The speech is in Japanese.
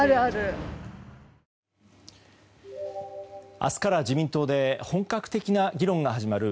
明日から自民党で本格的な議論が始まる